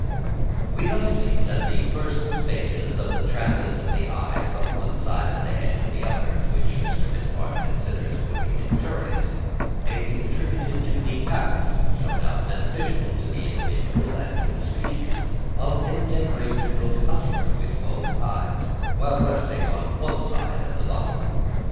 We thus see that the first stages of the transit of the eye from one side of the head to the other, which Mr. Mivart considers would be injurious, may be attributed to the habit, no doubt beneficial to the individual and to the species, of endeavouring to look upward with both eyes, while resting on one side at the bottom.